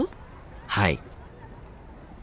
はい。